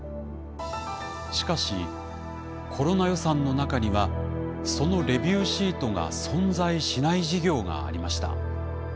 しかしコロナ予算の中にはそのレビューシートが存在しない事業がありました。